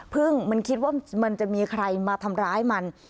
มันคิดว่ามันจะมีใครมาทำร้ายมัน